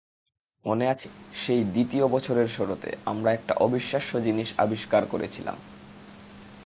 মনে আছে, সেই দ্বিতীয় বছরের শরতে, আমরা একটা অবিশ্বাস্য জিনিস আবিষ্কার করেছিলাম।